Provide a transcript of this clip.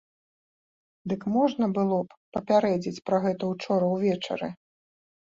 Дык можна было б папярэдзіць пра гэта учора ўвечары?